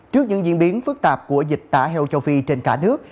trước những diễn biến phức tạp của dịch tả heo châu phi trên cả nước